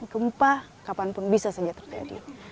gempa kapanpun bisa saja terjadi